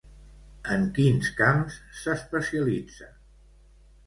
En quins camps s'especialitza?